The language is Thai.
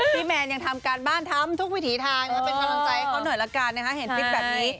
พี่แมนยังทำการบ้านทำทุกวิถีทานนะครับเพื่อกำลังใจเขาหน่อยละกั้นนะครับ